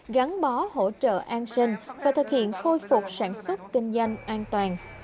gắn bó hỗ trợ an sinh và thực hiện khôi phục sản xuất kinh doanh an toàn